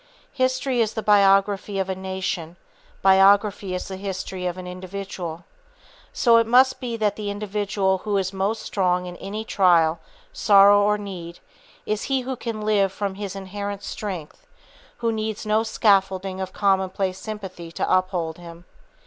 History is the biography of a nation; biography is the history of an individual. So it must be that the individual who is most strong in any trial, sorrow or need is he who can live from his inherent strength, who needs no scaffolding of commonplace sympathy to uphold him.